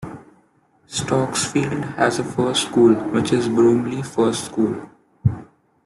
Stocksfield has a first school, which is Broomley First School.